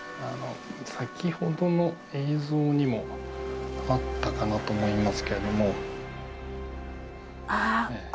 先ほどの映像にもあったかなと思いますけれどもああ